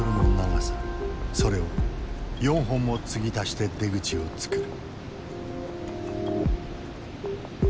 それを４本も継ぎ足して出口を作る。